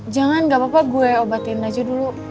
jangan gapapa gue obatin aja dulu